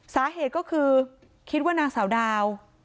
สาเหตุก็คือคิดว่านางสาวดาว